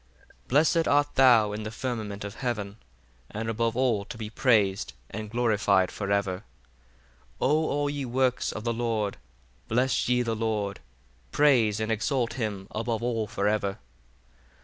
34 Blessed art thou in the firmament of heaven: and above all to be praised and glorified for ever. 35 O all ye works of the Lord, bless ye the Lord: praise and exalt him above all for ever.